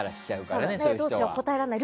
どうしよう、答えられない。